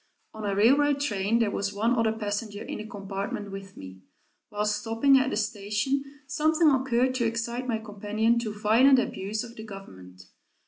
On a railroad train there was one other passenger in the compartment with me. While stopping at a station, something occurred to excite my companion to violent abuse of the government.